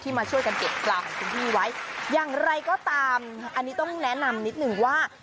มาช่วยกันเก็บปลาของคุณพี่ไว้อย่างไรก็ตามอันนี้ต้องแนะนำนิดนึงว่า